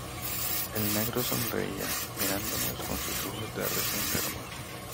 el negro sonreía, mirándonos con sus ojos de res enferma: